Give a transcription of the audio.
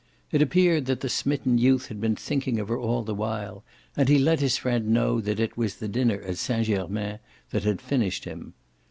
It appeared that the smitten youth had been thinking of her all the while, and he let his friend know that it was the dinner at Saint Germain that had finished him.